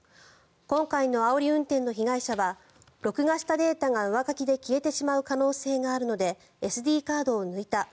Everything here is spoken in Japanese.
今回のあおり運転の被害者は録画したデータが、上書きで消えてしまう可能性があるのでＳＤカードを抜いた。